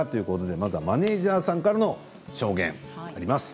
まずマネージャーさんからの証言です。